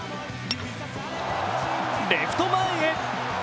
レフト前へ！